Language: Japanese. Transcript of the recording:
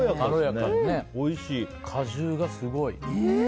果汁がすごい。